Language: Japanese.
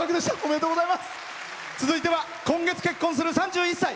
続いては今月、結婚する３１歳。